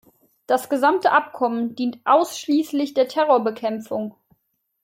Das gesamte Abkommen dient ausschließlich der Terrorbekämpfung.